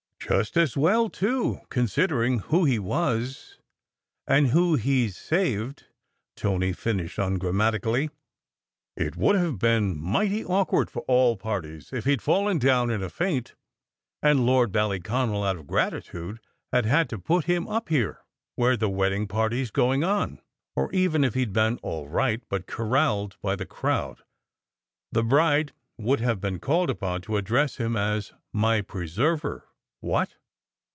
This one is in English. "Just as well, too, considering who he was, and who he s saved," Tony finished ungrammatically. "It would have been mighty awkward for all parties if he d fallen down in a faint, and Lord Ballyconal out of gratitude had had to put him up here, where the wedding party s going on. Or even if he d been all right, but coralled by the crowd, the bride would have been called upon to address him as my preserver what?